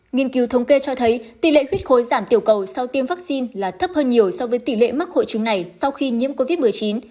nghiên cứu thống kê cho thấy tỷ lệ huyết khối giảm tiểu cầu sau tiêm vaccine là thấp hơn nhiều so với tỷ lệ mắc hội chứng này sau khi nhiễm covid một mươi chín